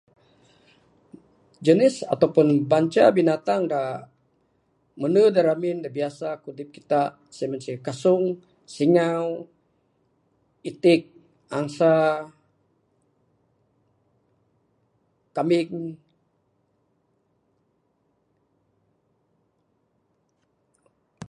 Jenis ato pun banca binatang da mende da ramin biasa kudip kita sien inceh kasung singau itin angsa, kambing.